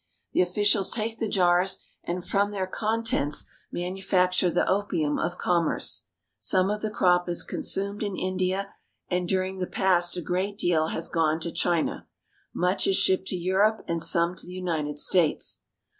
The officials take the jars, and from their contents man ufacture the opium of commerce. Some of the crop is consumed in India, and during the past a great deal has gone to China. Much is shipped to Europe, and some to the United States.